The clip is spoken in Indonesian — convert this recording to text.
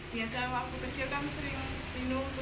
biasanya waktu kecil kan sering minum